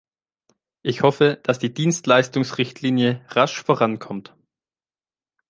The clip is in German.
Ich hoffe, dass die Dienstleistungsrichtlinie rasch vorankommt.